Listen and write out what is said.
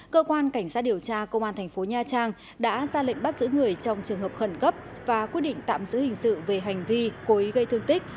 cơ quan cảnh sát điều tra công an thành phố nha trang đã ra lệnh bắt giữ người trong trường hợp khẩn cấp và quyết định tạm giữ hình sự về hành vi cố ý gây thương tích